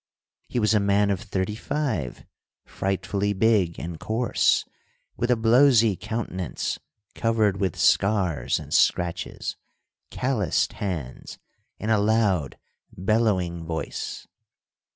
He was a man of thirty five, frightfully big and coarse, with a blowsy countenance covered with scars and scratches, calloused hands, and a loud, bellowing voice."